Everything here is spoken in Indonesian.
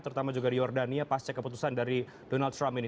terutama juga di jordania pasca keputusan dari donald trump ini